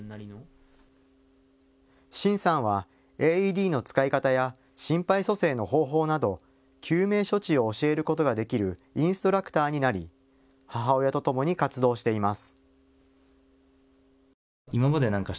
真さんはＡＥＤの使い方や心肺蘇生の方法など救命処置を教えることができるインストラクターになり母親とともに活動しています。